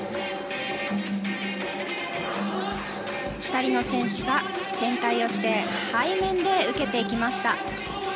２人の選手が転回をして背面で受けていきました。